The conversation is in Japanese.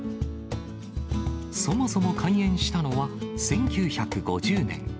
そもそも開園したのは、１９５０年。